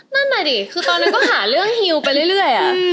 นั่นน่ะดิคือตอนนั้นก็หาเรื่องฮิวไปเรื่อย